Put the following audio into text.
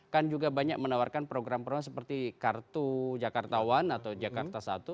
kan juga banyak menawarkan program program seperti kartu jakarta one atau jakarta satu